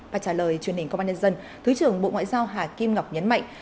và trả lời truyền hình công an nhân dân thứ trưởng bộ ngoại giao hà kim ngọc nhấn mạnh